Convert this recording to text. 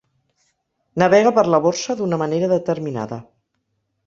Navega per la Borsa d'una manera determinada.